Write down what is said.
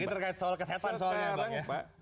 ini terkait soal kesehatan soalnya